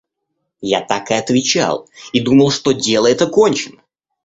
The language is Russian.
Я так и отвечал и думал, что дело это кончено.